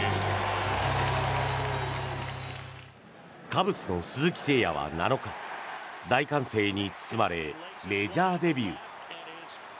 カブスの鈴木誠也は７日大歓声に包まれメジャーデビュー。